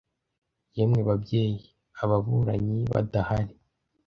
yemwe babyeyi ababuranyi badahari